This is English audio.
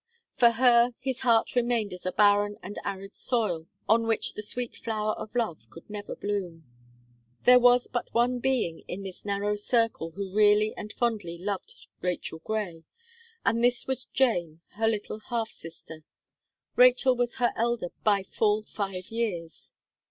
For her, his heart remained as a barren and arid soil on which the sweet flower of love could never bloom. There was but one being in this narrow circle who really and fondly loved Rachel Gray. And this was Jane, her little half sister. Rachel was her elder by full five years.